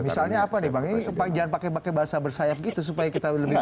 misalnya apa nih bang ini jangan pakai pakai bahasa bersayap gitu supaya kita lebih